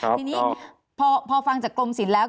ทีนี้พอฟังจากกรมศิลป์แล้ว